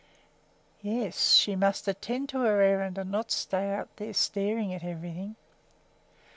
Yes, she must attend to her errand and not stay out there staring at everything.